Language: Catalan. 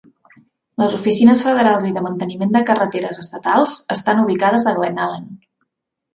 Les oficines federals i de manteniment de carreteres estatals estan ubicades a Glennallen.